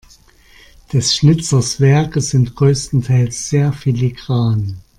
Des Schnitzers Werke sind größtenteils sehr filigran.